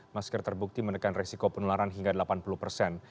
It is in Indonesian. masker terbukti menekan resiko penularan hingga delapan puluh persen